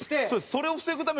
それを防ぐために。